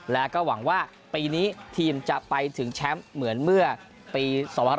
แล้วก็หวังว่าปีนี้ทีมจะไปถึงแชมป์เหมือนเมื่อปี๒๕๖๒